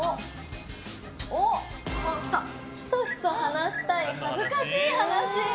ヒソヒソ話したい恥ずかしい話。